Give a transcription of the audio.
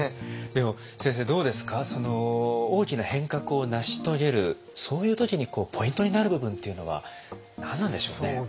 でも先生どうですかその大きな変革を成し遂げるそういう時にポイントになる部分っていうのは何なんでしょうね？